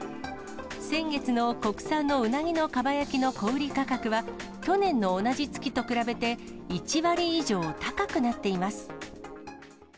先月の国産のうなぎのかば焼きの小売り価格は、去年の同じ月と比べて、１割以上高くなっています。